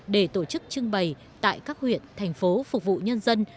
để tổ chức trưng bày tại các huyện thành phố phục vụ nhân dân